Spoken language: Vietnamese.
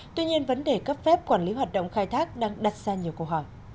tuy nhiên vấn đề cấp phép quản lý hoạt động khai thác đang đặt ra nhiều câu hỏi